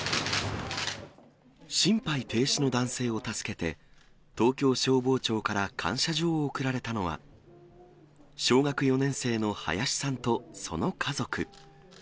心肺停止の男性を助けて東京消防庁から感謝状を贈られたのは、小学４年生の林さんとその家族。